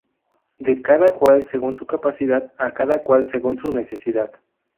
De cada cual según su capacidad, a cada cual según su necesidad